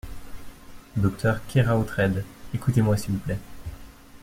Docteur Keraotred, écoutez-moi s’il vous plait.